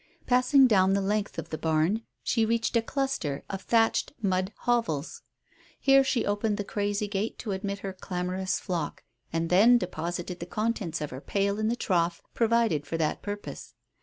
Passing down the length of the barn she reached a cluster of thatched mud hovels. Here she opened the crazy gate to admit her clamorous flock, and then deposited the contents of her pail in the trough provided for that purpose.